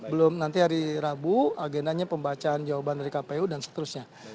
belum nanti hari rabu agendanya pembacaan jawaban dari kpu dan seterusnya